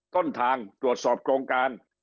ต้นทางตรวจสอบโครงการ